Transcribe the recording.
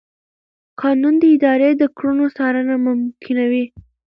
قانون د ادارې د کړنو څارنه ممکنوي.